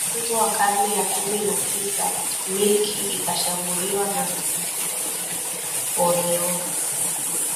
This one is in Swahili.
Mwanzo wa karne ya kumi na tisa milki ikashambuliwa na Napoleon